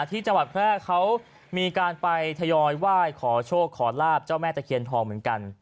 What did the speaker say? ที่จังหวัดแพร่เขามีการไปทยอยไหว้ขอโชคขอลาบเจ้าแม่ตะเคียนทองเหมือนกัน